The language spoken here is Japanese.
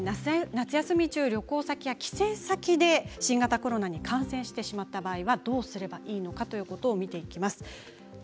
夏休み中、旅行先や帰省先で新型コロナに感染してしまった場合はどうすればいいのか見ていきます。